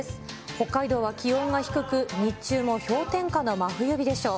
北海道は気温が低く、日中も氷点下の真冬日でしょう。